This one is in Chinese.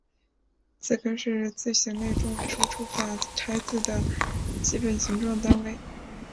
字根是字形类中文输入法拆字的基本形状单位。